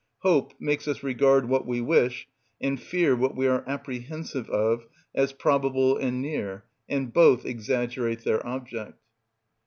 Hope makes us regard what we wish, and fear what we are apprehensive of, as probable and near, and both exaggerate their object.